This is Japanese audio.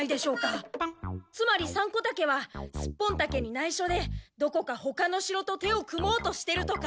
つまりサンコタケはスッポンタケにないしょでどこかほかの城と手を組もうとしてるとか。